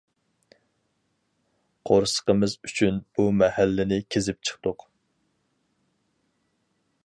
قورسىقىمىز ئۈچۈن بۇ مەھەللىنى كېزىپ چىقتۇق.